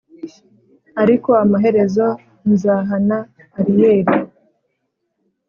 ariko amaherezo nzahana Ariyeli;